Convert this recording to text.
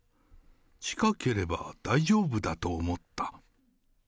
近ければ大丈夫だと思った。